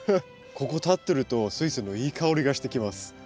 ここ立ってるとスイセンのいい香りがしてきます。